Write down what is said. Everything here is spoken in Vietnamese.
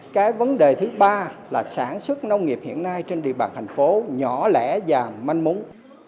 cái vấn đề thứ ba là sản xuất nông nghiệp hiện nay trên địa bàn thành phố nhỏ lẻ và manh múng